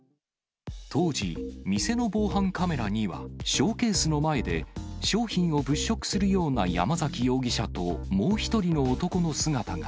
当時、店の防犯カメラには、ショーケースの前で商品を物色するような山崎容疑者と、もう一人の男の姿が。